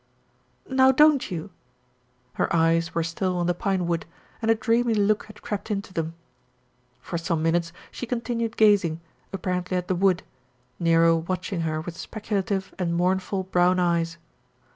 "Now don't you?" Her eyes were still on the pine wood, and a dreamy look had crept into them. For some minutes she continued gazing, apparently at the wood, Nero watching her with speculative and mournful brown eyes.